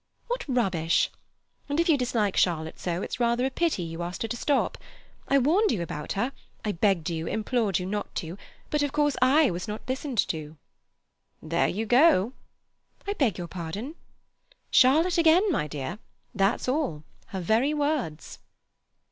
"What rubbish! And if you dislike Charlotte so, it's rather a pity you asked her to stop. I warned you about her; I begged you, implored you not to, but of course it was not listened to." "There you go." "I beg your pardon?" "Charlotte again, my dear; that's all; her very words."